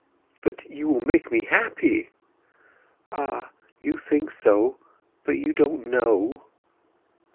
"But you will make me happy!" "Ah—you think so, but you don't know!"